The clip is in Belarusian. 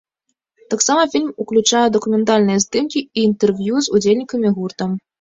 Таксама фільм уключае дакументальныя здымкі і інтэрв'ю з удзельнікамі гурта.